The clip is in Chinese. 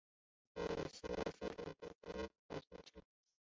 霍伊克瓦尔德是德国图林根州的一个市镇。